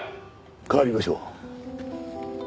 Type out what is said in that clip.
代わりましょう。